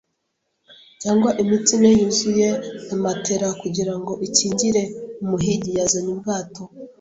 cyangwa imitsi ine yuzuye na matelas kugirango ikingire. Umuhigi yazanye ubwato